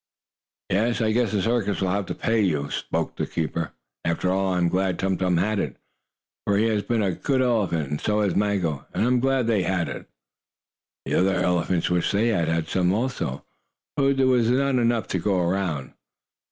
"Yes, I guess the circus will have to pay you," spoke the keeper. "After all, I am glad Tum Tum had it, for he has been a good elephant, and so has Maggo. I am glad they had it!" The other elephants wished they had had some also, but there was not enough to go around.